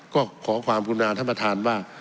ก็ขอความกรุณาท่านประธานว่า